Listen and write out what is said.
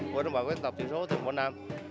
quảng bá các dân tập truyền số từ quảng nam